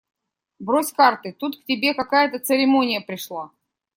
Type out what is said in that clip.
– Брось карты, тут к тебе какая-то церемония пришла!